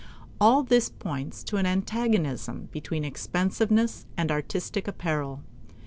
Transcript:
All this points to an antagonism between expensiveness and artistic apparel.